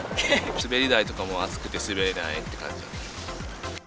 滑り台とかも、熱くて滑れないって感じで。